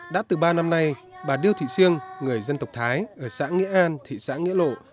đã từ ba năm nay bà điêu thị siêng người dân tộc thái ở xã nghĩa an thị xã nghĩa lộ